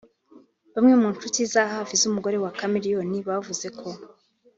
Bamwe mu nshuti za hafi z’umugore wa Chameleone bavuze ko